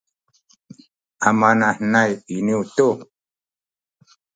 amanahenay iniyu tu